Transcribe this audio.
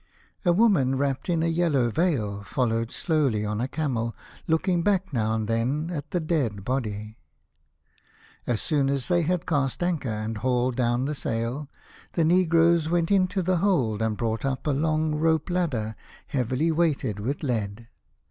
A woman wrapped in a yellow veil followed slowly on a camel, looking back now and then at the dead body. As soon as they had cast anchor and hauled down the sail, the negroes went into the hold and brought up a long rope ladder, heavily weighted with lead.